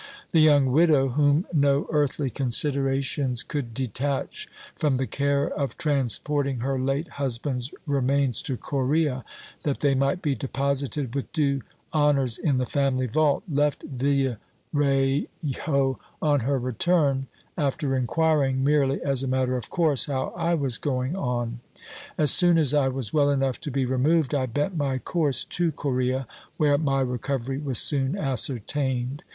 The young widow, whom no earthly considerations could detach from the care of transporting her late husband's remains to Coria, that they might be deposited with due honours in the family vault, left Villa rejo on her return, after inquiring, merely as a matter of course, how I was going on. As soon as I was well enough to be removed, I bent my course to Coria, where my recovery was soon ascertained.